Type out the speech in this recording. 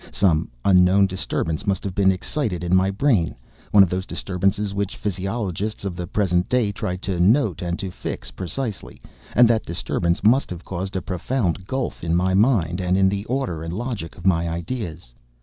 Some unknown disturbance must have been excited in my brain, one of those disturbances which physiologists of the present day try to note and to fix precisely, and that disturbance must have caused a profound gulf in my mind and in the order and logic of my ideas.